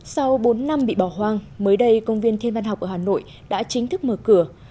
sau bốn năm bị bỏ hoang mới đây công viên thiên văn học ở hà nội đã chính thức mở cửa